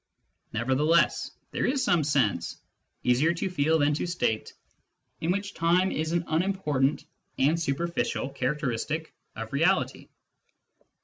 Nevertheless, there is some sense — easier to feel than to state — in which time is an unim portant and superficial characteristic of reality.